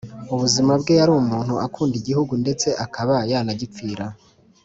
ubuzima bwe Yari umuntu ukunda Igihugu ndetse akaba yanagipfira